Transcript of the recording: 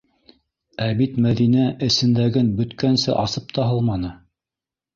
Ә бит Мәҙинә эсендәген бөткәнсе асып та һалманы.